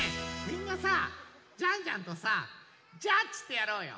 みんなさジャンジャンとさジャッチってやろうよ。